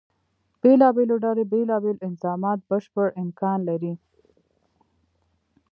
بېلابېلو ډلو بیلا بیل انظامات بشپړ امکان لري.